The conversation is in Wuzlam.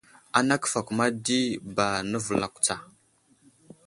Ana kəfakuma di ba nəvəlakw tsa.